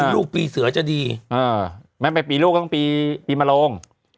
ลูกปีเสือจะดีแม้ไปปีลูกต้องปีมะโลง